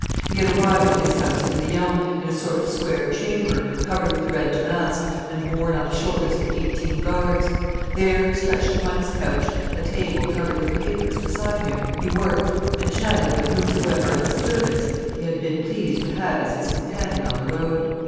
He had arrived at his house at Lyons, in a sort of square chamber, covered with red damask, and borne on the shoulders of eighteen guards; there, stretched upon his couch, a table covered with papers beside him, he worked and chatted with whomsoever of his servants he had been pleased to have as his companion on the road.